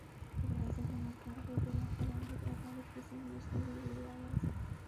که د حضرت عمر فاروق رض د عدالت کیسه مو زده وي ويې وایاست.